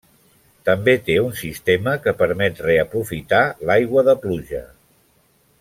També té un sistema que permet reaprofitar l'aigua de pluja.